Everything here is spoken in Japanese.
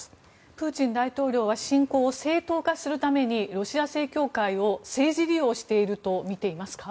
プーチン大統領は侵攻を正当化するためにロシア正教会を政治利用していると見ていますか？